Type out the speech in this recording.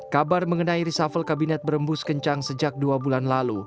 kabar mengenai reshuffle kabinet berembus kencang sejak dua bulan lalu